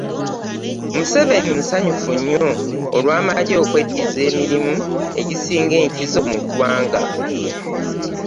Museveni musanyufu nnyo olw'amagye okweddiza emirimu egisinga enkizo mu ggwanga.